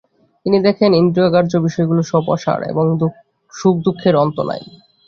তিনি দেখেন, ইন্দ্রিয়গ্রাহ্য বিষয়গুলি সব অসার, এবং সুখ-দুঃখের অন্ত নাই।